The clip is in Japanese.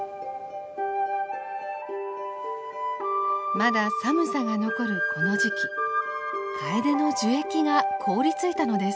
まだ寒さが残るこの時期カエデの樹液が凍りついたのです。